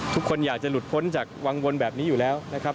ทุกคนอยากจะหลุดพ้นจากวังวลแบบนี้อยู่แล้วนะครับ